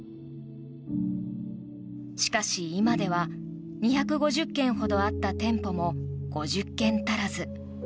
しかし、今では２５０軒ほどあった店舗も５０軒足らず。